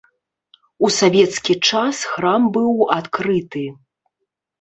У савецкі час храм быў адкрыты.